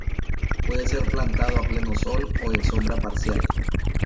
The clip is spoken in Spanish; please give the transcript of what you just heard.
Puede ser plantado a pleno sol o en sombra parcial.